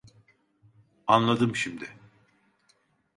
Anladım şimdi.